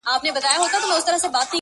پسرلی وایې جهاني دي پرې باران سي,